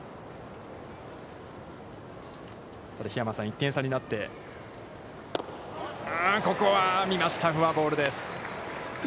桧山さん、１点差になって、ここは見ました、フォアボールです。